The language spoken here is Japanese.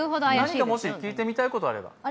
何かもし聞いてみたいことがあれば。